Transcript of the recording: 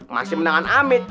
masih menangan amit